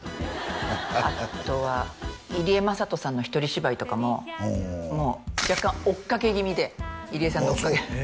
あとは入江雅人さんの一人芝居とかももう若干追っかけ気味で入江さんの追っかけあ